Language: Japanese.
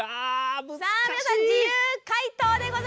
さあ皆さん自由解答でございます。